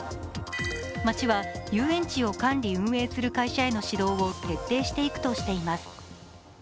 町は遊園地を管理運営する会社への指導を徹底していくとしています。